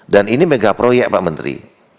dan ini megaproyek pak menteri